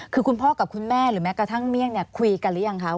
คือคุณพ่อกับคุณแม่หรือแม้กระทั่งเมี่ยงเนี่ยคุยกันหรือยังคะ